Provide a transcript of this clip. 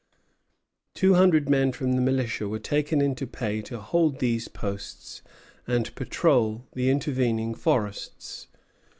Two hundred men from the militia were taken into pay to hold these posts and patrol the intervening forests.